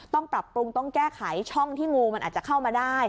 ปรับปรุงต้องแก้ไขช่องที่งูมันอาจจะเข้ามาได้